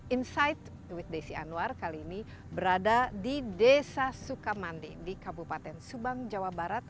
insight with desi anwar kali ini berada di desa sukamandi di kabupaten subang jawa barat